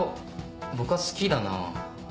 僕は好きだな。